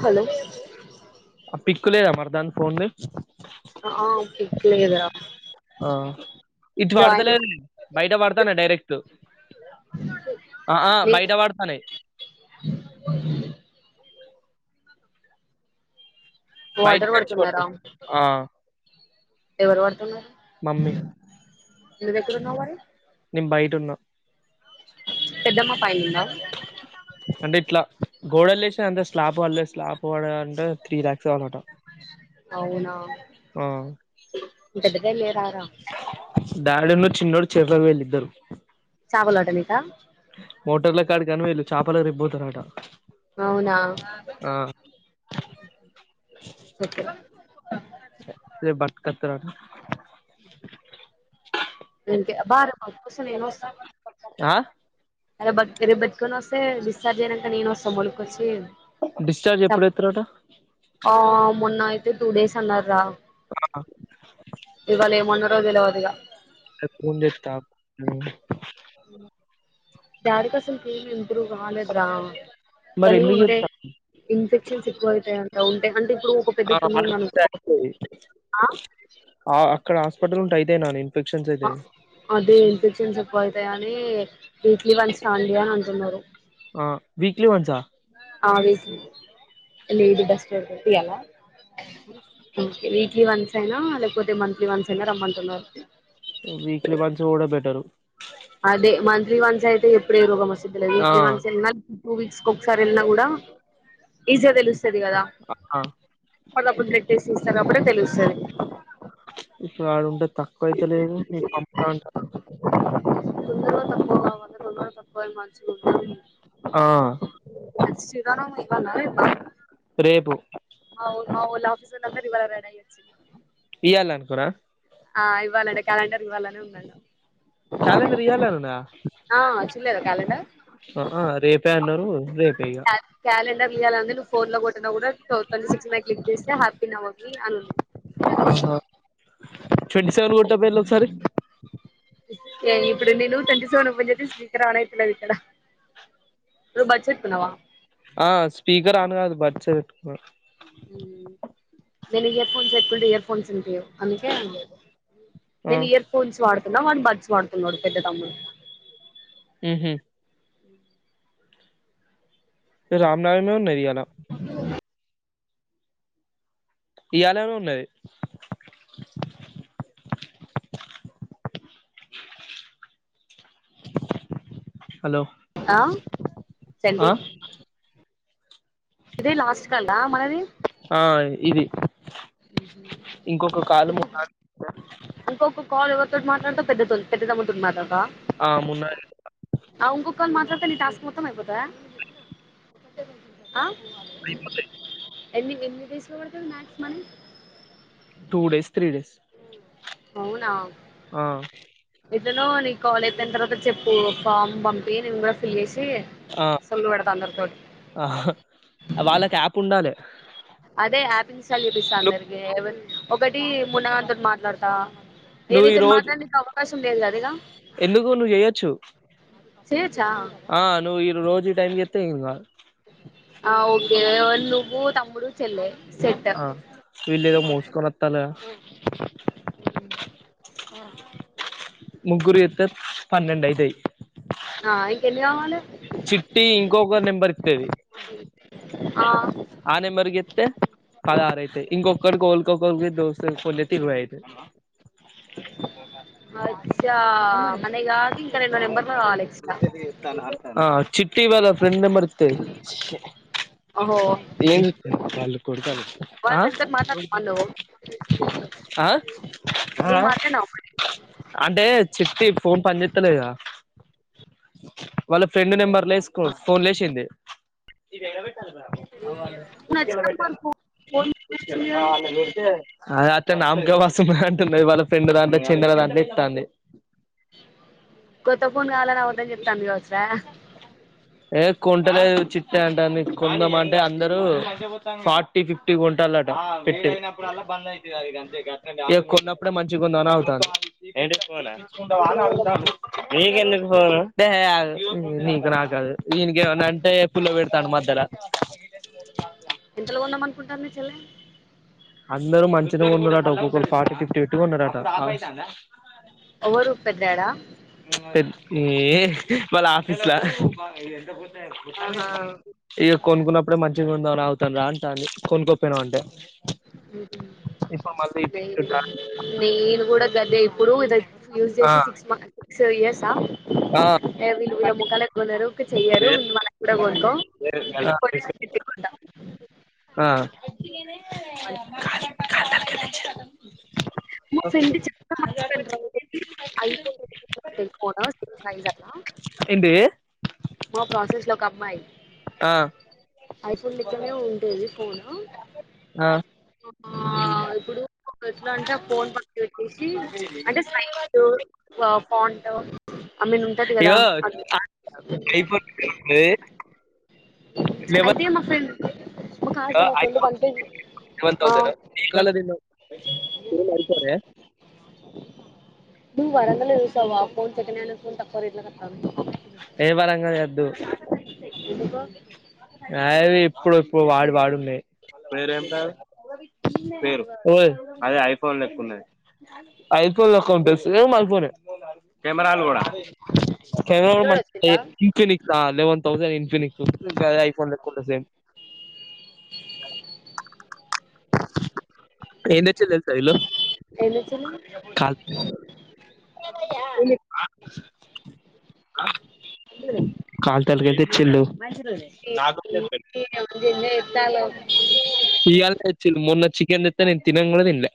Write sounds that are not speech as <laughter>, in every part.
Hello ఆ pic లేదా మరి దాని ఫోన్ది ఆ తిట్లేదా ఆ ఇటు వడతలేదులే బయట పడుతాన్నయ్ డైరెక్ట్ ఆ ఆ నీ బయట పడ్తాన్నాయ్ వాటర్ బయటకి వచ్చి పట్టు పడుతున్నారా ఆ ఎవరు పడుతున్నరు మమ్మీ నువ్వేక్కడున్నవ్ మరి నేను బయటున్న పెద్దమ్మ పైనుందా గోడల్లేేసినయి అంతే స్లాబ్ పడలే స్లాబ్ పడాలంటే త్రీ లాక్స్ కావాలట అవునా ఆ పెద్దగా లేరారా గార్డెన్ లో చిన్నోడు చెర్లకి పోయిల్లిద్దరూ చాపలు పట్టనీకా మోటర్ల కాడికనీ పోయిళ్ళు చాపలకు రేపోతారట అవునా చెప్పు రేపు బట్కత్తరట అంతే అబ్బా అమ్మ వస్తె నేను వస్తా ఆ అరే బట్ రేపు బట్కోనోస్తే డిస్చార్జ్ అయినంక నేను వస్తా డిశ్చార్జ్ ఎప్పుడు చప్ ఎత్తారట ఆ మొన్న అయితే టూ డేస్ అన్నారు రా ఆ ఏమన్నారో తెలవదు ఇగ రేపు ఫోన్ చేత్తా దాని కోసం టీవీ ఉ ఎప్పుడు కాలేదు రా మరి కానీ ఎందుకు ఉంటే ఇన్ఫెక్షన్స్ ఎక్కువయితయంట ఉంటే అంటే ఇప్పుడు ఒక పెద్ద ఆ పుండు ఉందనుకో <unintelligible> ఆ ఆ అక్కడ హాస్పిటల్ ఉంటే అయితయి నాని అంతేలే అ అదే ఇన్ఫెక్షన్స్ ఎక్కువైతయి అని వీక్లీ వన్స్ రండి అని అంటున్నారు ఆ వీక్లీ వన్సా ఆ వీక్లీ లేదు <unintelligible> తీయాలా ఓకే వీక్లీ వన్స్ అయినా లేకపోతే మంత్లీ వన్స్ అయినా రమ్మంటున్నారు వీక్లీ వన్స్ పోవుడె బెటరు అదే మంత్లీ వన్స్ అయితే ఎప్పుడేరోగమొస్తదో తెలీదు ఆ వీక్లీ వన్స్ అన్న టూ వీక్స్కి ఒకసారి ఏళ్ళినా కూడా ఈజిగా తెలుస్తది ఆ అప్పుడు బ్లడ్ టెస్ట్ చేస్తరు అప్పుడే తెలుస్తది ఇప్పుడు ఆడుంటే తక్కువయితలేదు నీకు పంపుతాంట తొందరగా తక్కువ కావాలి తొందర తప్ప అది మంచిగుండాలి ఆ <unintelligible> ఇవ్వాళ రేపు అవును మావోళ్ళు ఆఫీస్ వాళ్లందరూ ఇవాళ రెడీ అయ్యోచిళ్ళు ఇయల్లానుకోనా ఆ ఇవ్వాల అంటే క్యాలెండర్ ఇవ్వాలనే ఉన్నది కాలెండర్ ఇయాలనున్నదా చూడలేదా క్యాలెండర్ ఆ ఆ రేపే అన్నారు రేపే ఇగ క్యాలెండర్ల ఇయాలనుంది నువ్వు ఫోన్లో కొట్టిన కూడా టో ట్వంటీ సిక్స్ మీద క్లిక్ చేస్తే హ్యాపీ నవమీ అని ఉంది ఆహా ట్వంటీ సెవెన్ గొటకపోయిలు ఓసారి ఏ ఇప్పుడు నేను ట్వంటీ సెవెను ఓపెన్ జెతే స్పీకర్ ఆన్ ఐతలేదు ఇక్కడ నువ్ బడ్స్ పెట్టుకున్నావా ఆ స్పీకర్ ఆన్ గాదు బర్డ్స్ వెట్టుకో ఊమ్ నేను ఇయర్ ఫోన్స్ వేట్కుంటే ఇయర్ ఫోన్స్ ఉంటే అందుకే లేదు ఆ నేను ఇయర్ ఫోన్స్ వాడుతున్నా వన్ బడ్స్ వాడుతున్నడు పెద్ద తమ్ముడు ఊహ్మ్ రామ్నవమి వున్నది ఇయాలా <unintelligible> ఈయలే ఉన్నది హలో ఆ చండి ఆ ఇదే లాస్ట్ కాల్ ఆ మనది ఆ ఇది ఇంకొక కాల్ మున్నా ఇంకొక కాల్ కాల్ ఎవరితోటి మాట్లాడతవ్ పెద్దతొ పెద్ద తమ్ముతోని ఆ మున్నా మాట్లాడతావ ఇంకో కాల్ మా డితే నీ టాస్క్ మొత్తం అయిపోతద ఆ ఎన్ని ఎన్ని డేసుల వడతది maximum two days three days అవునా ఆ ఇట్లనో నీ కాలేజ్ థైమ్ తర్వాత చెప్పు ఫామ్ పంపి నేను కూడా ఫిల్ జేసీ పి ఆ సల్లవేడ్తా అందరి తోటి ఆ వాళ్ళకి యాప్ ఉండాలి అదే ఆప్ ఇన్స్టాల్ జేపిస్తా ను అందరికి ఎవల్ ఒకటి మున్నా గాంతోని మాట్లాడత ఏ నువ్వు ఈ రితోని రోజు మాట్లాడనికి అవకాశం లేదు గదా ఇగ ఎందుకు నువ్వు ఏయ్యొచ్చు చేయొచ్చా ఆ నువ్వు ఈ రోజు ఈ టైం జెప్ తెఇంగా ఏవల్ నువ్వు తమ్ముడు చెల్లె ఆ సెట్ ఇళ్లేదో మోసుకొని వాతల ముగ్గురు ఏతే పన్నెండయితయి ఎవలు ఫోన్ నెంబర్ ఇతది ఆ ఆ నెంబర్ కి ఏతే పదారైతయ్ ఇంకొక్కటి గోల్కొ ఫోన్ జెయ్ దోస్తలకు ఫోన్ జెతే ఇరవై ఐతయ్ పోంట అచ్చా <unintelligible> మనయి కాక ఇంకా రెండు ఆ నెంబర్లు కావాలి ఎక్స్ట్రా చిట్ టీ ఇత్ ఇయ్ గదా ఫ్రెండ్ నంబర్ ఇతే ఓహో ఏం ఆ వాళ్ళతో ఎంతసేపు మాట్లాడుతున్నావు నువ్వు ఆ ఆ నువ్వు మాట్లాడినావా మరి అంటే చిట్టి ఫోన్ పనిజెస్తలేగా వాళ్ళ ఫ్రెండ్ నెంబర్లేసుకో ఫోన్ జేసింది అవ్ అలె నువ్వు ఉష్కల నచ్చినాక మరి బెట్టన ఫోన్ ఫోన్ వచ్చింది కదా ఆ అద అట్ల నాం కె వసు వున్నది అంటున్నది వాళ్ళ ఫ్రెండ్ దాంట్లొ చెల్లె రంబితంది కొత్త ఫోన్ గావాలని అవద్దం జెప్తండు గావచుర ఏ కొంట లేదు చి టె అంటంది కొందాం అంటే అందరు ఫార్టీ ఫిఫ్టీ కొంటలంట పెట్టి ఇగ కొన్న ప్ ఇదిగోన ననావుతంది ఏంటి నీక్ ఫోన ఇంగ ఎంతలో కొందాం వాన్నడుగుతాను నీకెందుకు ఫోను దెయ అగు నీకు నాక్కాదు ఇన్ గేమన్నంటే పుల్ల పెడతాడు మద్దెల ఉంటాంది చెల్లే అందరు మంచిదె కొన్నారంట ఒక్కొక్కరు ఫోర్త్య్ ఫిఫ్టీ పెట్టు కొన్నారంట ఒవ్వరు పెదేడ చ్ ఏ వాళ్ళ ఆఫీస్ల ఆహా ఈ కొన్ కునపుడె మంచ్ తిరువందానావ్ తన్ రా అంటాంది అన్ని కొనుక్కొపొయ్నావ్ అంటె ఏపీ నేను ఇప్పించుట నేను కూడ గదె ఇప్పుడూ జత్ యూస్ ఆ చేసి సిక్స్ మ సొ యస్సా ఏ వీళ్ళు వీళ్ళ మొఖాలు ఎట్లున్నయ్ రొ వే టు కొనుక్కుంటా ఆ కాల్ కాళ్తాంటె బజ్జీలు మా ఒకే ఫ్రెండ్ <inaudible> ఏందే మా ప్రాసెస్ లొ ఒక అమ్మాయ్ ఆ ఐఫోన్ లెక్కనే ఉంటది ఫోనూ ఆ దొడ్లో అంటె ఫోన్ పక్ పెట్టెసీ అంటె సైటూ వా ఫాంటు ఆమెన్ ఉంటది కదా ఇగో ఐఫోన్ లెవెన్ అయితే మా ఫ్రెండ్ ఒకాస కద ఫ్రెండ్ బంటె ఇ అంత వచ్చార రాలేదింగ ఎవరన్నఅడుగుతారన్యా నువ్ అడగలే చూసావా ఫోన్ చేతన్యాలు ఫోన్పక్కన పెట్టినాక ఏ పరంగ అదెద్దు ఎందుకో ఆవి ఇప్పుడొప్పొ వాడు వాడునన్నే మీరెంతా వాడు పేరు వాడు పేర్ అదె ఐఫోన్ లెక్కున్నది ఐపోన్ లెక్కుంటె సేమ్ ఐఫోనె కెమెరాలు కూడా ఫోన్ చిన్నోడు మంచిదె వచ్చిండా ఇంకా నీక్ లెవెన్ థౌసేండ్ క నీకు పెద ఐఫోన్ లెక్క ఉంటది ఏం దెచ్చిర్రు తెల్సా ఈళ్ళు ఏం దెచ్చిర్రు ఏం దెచ్ కాల్ తల్కై తెచ్చిండు నాకు ఏం జిన్నె ఎత్తాలొ చిల్ మొన్న చికెన్ దెత్తే నేన్ తినన్ గూడ తిన్ల్య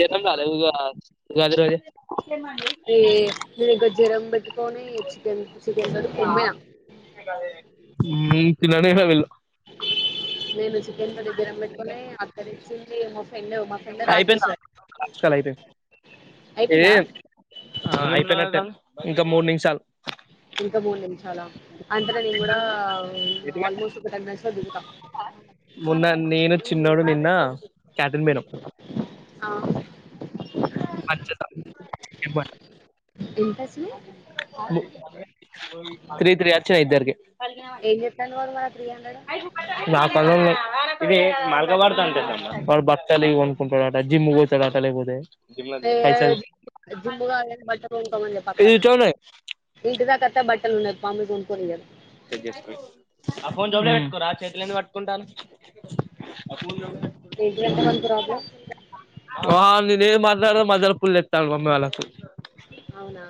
జనం రాలే ఉగా ఉగాది రోజే ఏ నిగొజ్జరం వచ్ ఫోను ఈచ్చి నీ తిన నెహె వెళ్ళు ముందు చికెన్ పట్ దెప్పియడం పెట్టుకొనీ అక్కదెచ్చిందేమో అయితె నచ్చ దైతె ఏ అయిపోయిందా అన్ అయ్ పేనట్టె ఇంక మూడ్ నిమ్షాల్ ఇంక మూడ్ నిమ్ష చాలా అంతనే నన్ కూడా ఆల్మోస్ట్ ఒక టెన్ మినిట్స్ లొ దిగుత మొన్న నేను చిన్నోడు నిన్నా అవ్ మంచిద ఇన్వాట్ ఎంత వచ్చినాయి త్రీ త్రీ అర్చయ్ ఇద్దరికి ఏం చెప్తాను వాడు మరి త్రీ హండ్రెడ్ నా క ఇది మల్గవాడద అంటే వాడు బతాలు కొనుకుంటాడుట జిమ్ పోతాడుట లేకపోతే పైసలు జిబగా బట్టకో పక్కన ఇది చూడండి. ఇంటి ద ట్ట బట్టల్ ఉన్న ఎప్పమ మీ ఉ కురయదు ఆ ఫోన్ చబలే పెట్టుకోరా ఆ చేతులు ఎందు పట్టుకుంటాను ఏగత అంత రాబ ఆ నేనేం మాట్లాడద మా మద్దల పుల్ల ఎత్తండు మమ్మీ వాళ్ళకు అవునా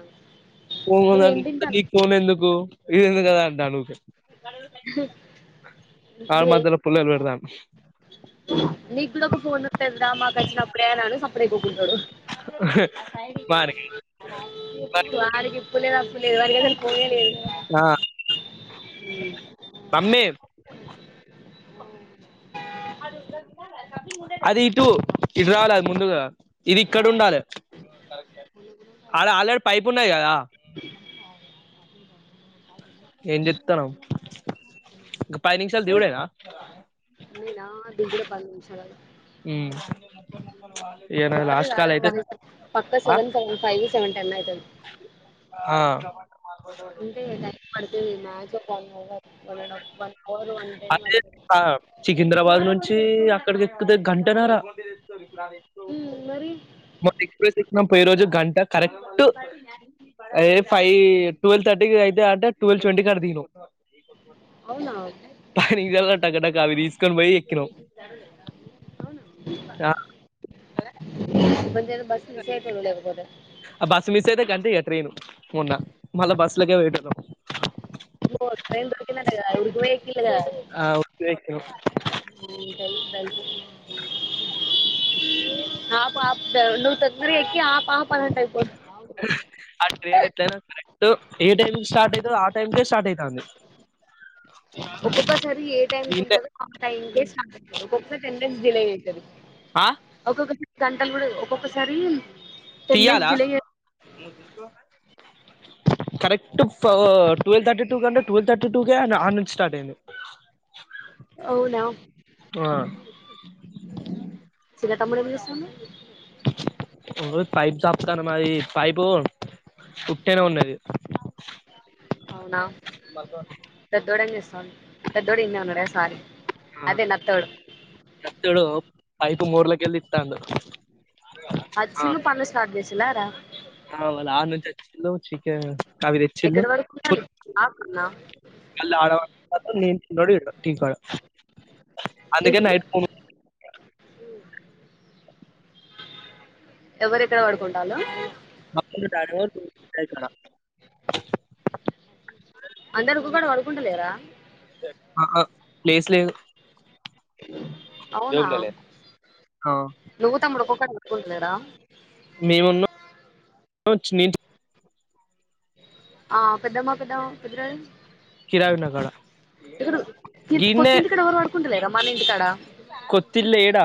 పోన్ంద నువ్వేం తింటానవు నీక్ ఫోన్ ఎందుకు ఇది ఎందు కదా అంటానుక ఆ మధ్యలో పుల్లలు పెడదాను నీకూడ ఒక ఫోన్ వత్తందా మాకు వచ్చినప్పుడే అని సప్పుడేకుకుంటాడు అ బరిగి వారికి ఇప్పులేదు అప్పు లేదు వరక ఏద పోయలేదు మమ్మే అది ఇటు ఇటు రవాలి అది ముందుగా ఇది ఇక్కడ ఉండాలి. అడ ఆలర్డి పైపు ఉన్నది కద ఏం చెత్తనవ్ పది నిముషాలు దివుడేనా ఇంటిలో పనులు చూస్కోని ఇగ నాది లాస్ట్ కాల్ అయితే చెప్పలేదరా పక్క స సెవన్ ఫైవ్ సెవ కన్నఅయితది ఆ పడితుంది maximum one hour one and half hour one ten one అదే టెన్ సికింద్రాబాద్ నుంచి అక్కడికి ఎక్కుతే గంటనార ఇప్పుని ప్లానింగ్స్ ఉమ్ మరి మ ఎక్స్ప్రెస్ ఇచ్చిన పోయి రోజు గంట కరెక్ట్ ఏ ఫైవ్ ట్వెల్వ్ థర్టీ అయితే అంటే ట్వెల్వ్ ట్వంటీ కి అడ దిగినవ్ అవునా తనుడ్ తగడకవదీస్ తీస్కొని పోయి ఎక్కినం అవునా ఇదేదో బస్ మిస్ అయితుంది కదరా ఆ బస్సు మిస్ అయితే గంతే ఇగ ట్రైన్ మొన్న మళ్ళా బస్సు లోకే పోయేటోల్లం. ట్రైన్ పోయిందటగా ఉరికి పోయి ఎక్కిండ్రటగా ఆ ఉట్టిగనే ఎక్కినం ఉ అ పాపదా నువ్వు తొందర ఎక్కి ఆపు అని అంటది పో ఆ ట్రైన్ ఎట్ కరెక్ట్ ఏ టైమింగ్ స్టార్ అవుద్దో టెంకే స్టార్ట్ అయితాంది ఒక్కొక్కసారి ఏ టైమ్ కి ఈన్నే ఉంటుందో ఆ టైంకే స్టార్ట్ అవుత ఒక్కొక్కసారి టెన్ డేస్ డిలే అవుతది ఆ ఒక్కొక్క గంటలు కూడా ఒక్కొక్కసారి టెన్ తీయ్యాల మినిట్స్ డిలే చే correct twelve twelve thirty two కండె ట్వెల్వ్ థర్టీ టూకే ఆన నుంచి స్టార్ట్ అయింది అవునా ఆ చిన్న తమ్ముడు ఏం చేస్తుండు పైప్ చప్తాను మరి పైపు కుట్టేనే ఉన్నది అవునా పెద్దోడు ఏం చేస్తాను పెద్దోడు ఎంద ఉన్నారు సార ఆ చెత్తడు పైప్ మోర్లకెళ్ళి ఇత్తాండు అ అచ్చిలు మళ్ళా స్టార్ట్ చేసిల్లా అవు వాళ్ళ ఆ నుంచి వచ్చి చికేన్ అవి తెచ్చిండ్రు ఎక్కడ పడుకుంటారు ఆకున్నా మళ్ళా ఆడ టీ కాడ అందుకే ఏంటిది నైట్ కొను ఎవరి ఎక్కడ పడుకుంటాలో <unintelligible> వు అందరకి కూకూండా పడుకుంటలేరా ఆ ప్లేస్లేదు అవునా ఆ నువ్వు తమ్ముడు ఒక్కొక్కలు కొట్టుకుంటున్నార మేమున్న న ఆ పెదమ్మ కదా పెదడాడి కిరాయి ఉన్న కాడ ఇక్కడ కోతింటికాడ ఎవరు పడుకుంటలేర మన ఇంటికాడ కొతిల్లే ఎడా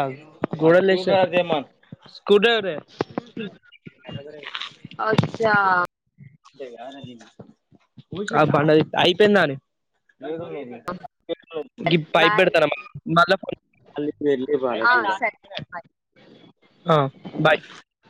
గోడల్ అదేమన్ స్క్రూ డ్రైవరే ఉహామ్ అచ్చా అ బండ అయిపోయిందని పై బాయ్ పెడతారా మళ్ళా ఆ, సరే బాయ్ అ బాయ్